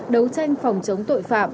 đấu tranh phòng chống tội phạm